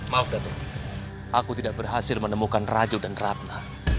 maaf datuk aku tidak berhasil menemukan raju dan ratna